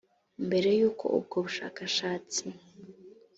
mbere y uko ubwo bushakashatsi